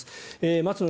松野